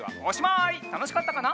たのしかったかな？